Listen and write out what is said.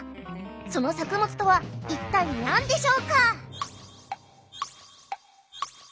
その作物とは一体にゃんでしょうか？